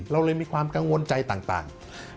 เราเลยมีความกังวลใจต่าง